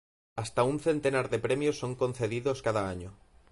Hasta un centenar de premios son concedidos cada año.